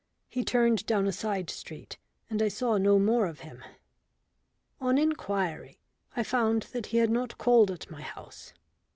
He turned down a side street, and I saw no more of him. On inquiry I found that he had not called at my house.